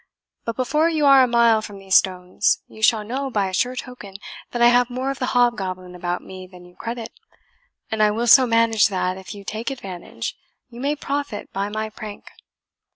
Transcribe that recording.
But before you are a mile from these stones, you shall know by a sure token that I have more of the hobgoblin about me than you credit; and I will so manage that, if you take advantage, you may profit by my prank."